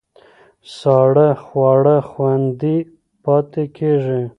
ساړه خواړه خوندي پاتې کېږي.